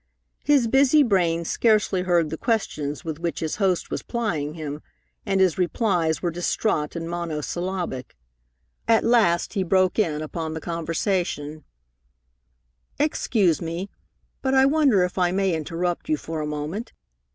His busy brain scarcely heard the questions with which his host was plying him, and his replies were distraught and monosyllabic. At last he broke in upon the conversation: "Excuse me, but I wonder if I may interrupt you for a moment.